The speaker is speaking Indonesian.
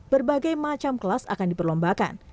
berbagai macam kelas akan diperlombakan